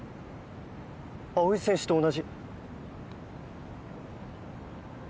青井選手と同じ。